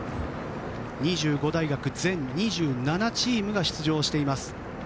２５大学全２７チームが出場しています。